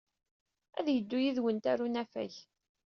Ad yeddu yid-went ɣer unafag.